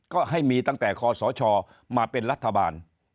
ก็ให้มีตั้งแต่คศมาเป็นรัฐบาล